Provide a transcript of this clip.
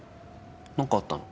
何かあったの？